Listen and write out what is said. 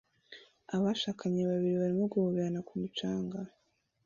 Abashakanye babiri barimo guhoberana ku mucanga